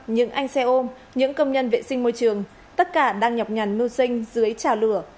những anh xe ôm những công nhân vệ sinh môi trường tất cả đang nhọc nhằn mưu sinh dưới trào lửa